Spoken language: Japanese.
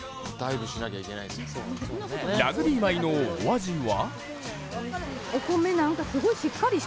ラグビー米のお味は？